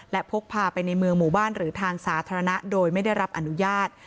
และพกพาไปในเมืองหมู่บ้านหรือทางสาธารณะโดยไม่ได้รับอนุญาต